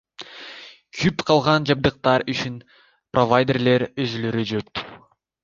Күйүп калган жабдыктар үчүн провайдерлер өзүлөрү жоопту.